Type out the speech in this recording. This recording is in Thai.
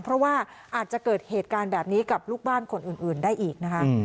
เพราะว่าอาจจะเกิดเหตุการณ์แบบนี้กับลูกบ้านคนอื่นได้อีกนะคะ